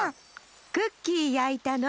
クッキーやいたの！